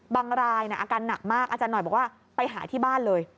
บางรายอาการหนักมากอาจารย์หน่อยบอกว่าไปหาที่บ้านเลย